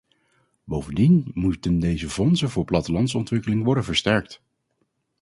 Bovendien moeten deze fondsen voor plattelandsontwikkeling worden versterkt.